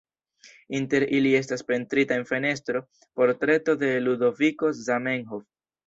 Inter ili estas pentrita en fenestro, portreto de Ludoviko Zamenhof.